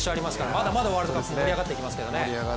まだまだワールドカップ盛り上がっていきますね。